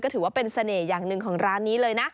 ถือว่าเป็นเสน่ห์อย่างหนึ่งของร้านนี้เลยนะ